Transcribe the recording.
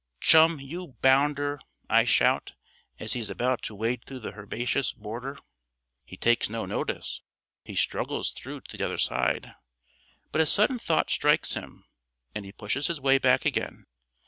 "Chum, you bounder," I shout, as he is about to wade through the herbaceous border. He takes no notice; he struggles through to the other side. But a sudden thought strikes him, and he pushes his way back again.